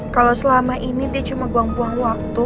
kalau selama ini dia cuma buang buang waktu